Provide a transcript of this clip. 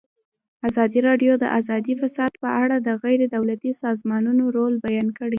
ازادي راډیو د اداري فساد په اړه د غیر دولتي سازمانونو رول بیان کړی.